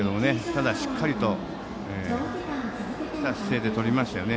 ただ、しっかりした姿勢でとりましたね。